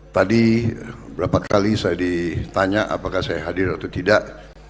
tadi berapa kali saya ditanya apakah saya hadir atau tidak